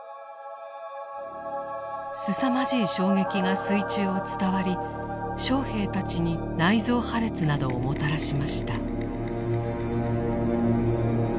すさまじい衝撃が水中を伝わり将兵たちに内臓破裂などをもたらしました。